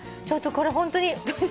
ちょっとこれホントに。